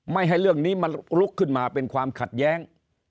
ไม่ให้เรื่องนี้มันลุกขึ้นมาเป็นความขัดแย้ง